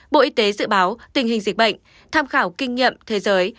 bộ y tế dự báo tình hình dịch bệnh tham khảo kinh nghiệm thế giới